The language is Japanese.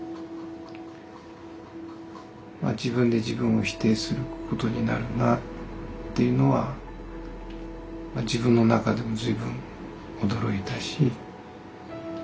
自分で自分を否定することになるなっていうのは自分の中でも随分驚いたし何とも言えない気持ちでしたね。